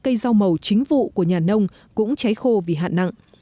cây rau màu chính vụ của nhà nông cũng cháy khô vì hạn nặng